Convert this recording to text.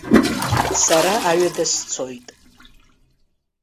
Сара аҩада сцоит.